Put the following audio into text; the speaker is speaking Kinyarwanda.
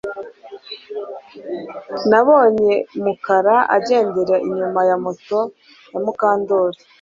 Nabonye Mukara agendera inyuma ya moto ya Mukandoli